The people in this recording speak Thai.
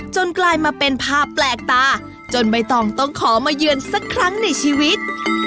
กลายมาเป็นภาพแปลกตาจนใบตองต้องขอมาเยือนสักครั้งในชีวิต